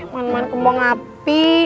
main main kembang api